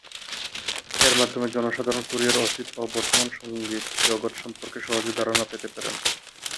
এর মাধ্যমে জনসাধারণ কোরিয়ার অতীত ও বর্তমান সংগীত জগৎ সম্পর্কে সহজেই ধারণা পেতে পারেন।